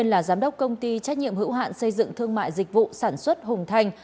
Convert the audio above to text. là giám đốc công ty trách nhiệm hữu hạn xây dựng thương mại dịch vụ sản xuất hùng thành